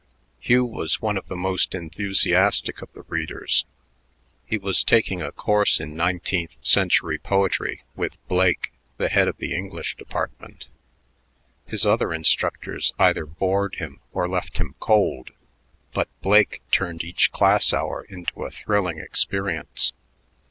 Hugh was one of the most enthusiastic of the readers. He was taking a course in nineteenth century poetry with Blake, the head of the English department. His other instructors either bored him or left him cold, but Blake turned each class hour into a thrilling experience.